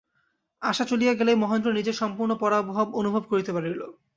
আশা চলিয়া গেলেই মহেন্দ্র নিজের সম্পূর্ণ পরাভব অনুভব করিতে পারিল।